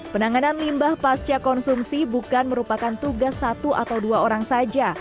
penanganan limbah pasca konsumsi bukan merupakan tugas satu atau dua orang saja